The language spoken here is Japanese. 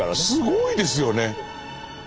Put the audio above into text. すごいですよね。